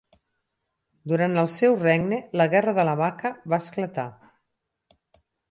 Durant el seu regne la Guerra de la Vaca va esclatar.